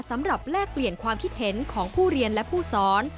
แลกเปลี่ยนความคิดเห็นของผู้เรียนและผู้สอน